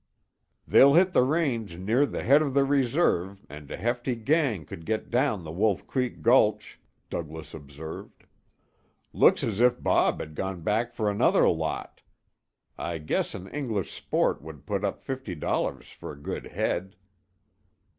"They'll hit the range near the head of the reserve and a hefty gang could get down the Wolf Creek gulch," Douglas observed. "Looks as if Bob had gone back for another lot! I guess an English sport would put up fifty dollars for a good head."